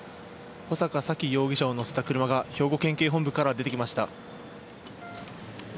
穂坂沙喜容疑者を乗せた車が、兵庫県警本部から出てきました。